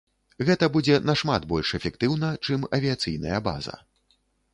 Гэта будзе нашмат больш эфектыўна, чым авіяцыйная база.